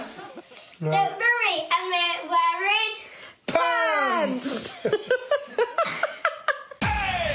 パンツ。